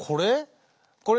これ？